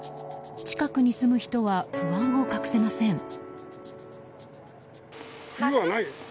近くに住む人は不安を隠せません。